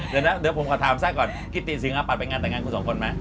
เดี๋ยวนะเดี๋ยวผมขอถามแทรกก่อนกิติสิงอาปัตไปงานแต่งงานคุณสองคนไหม